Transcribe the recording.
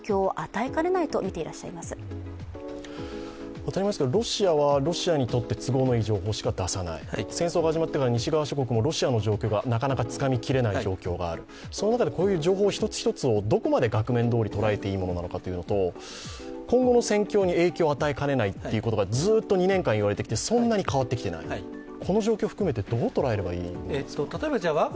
当たり前ですが、ロシアはロシアにとって都合のいい情報しか出さない、戦争が始まってから西側諸国もロシアの状況がなかなかつかみきれない状況がある、その中でこういう情報一つ一つをどこまで額面どおり捉えていいものなのかというのと、今後の戦況に影響を与えかねないとずっと２年間言われてきてそんなに変わっていない、この状況を含めてどう捉えればいいですか。